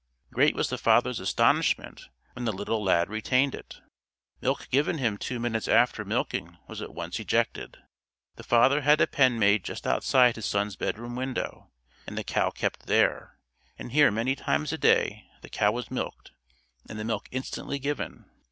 Great was the father's astonishment when the little lad retained it. Milk given him two minutes after milking was at once ejected. The father had a pen made just outside his son's bedroom window and the cow kept there, and here many times a day the cow was milked and the milk instantly given.